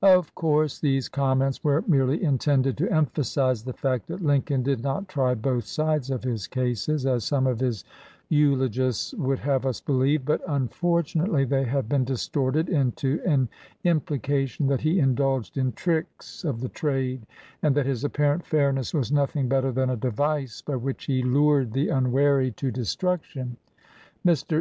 210 THE JURY LAWYER Of course these comments were merely in tended to emphasize the fact that Lincoln did not try both sides of his cases, as some of his eulogists would have us believe; but unfortu nately they have been distorted into an implica tion that he indulged in tricks of the trade, and that his apparent fairness was nothing better than a device by which he lured the unwary to destruction. Mr.